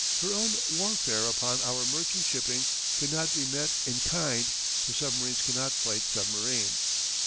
Her own warfare upon our merchant shipping could not be met in kind, for submarines cannot fight submarines.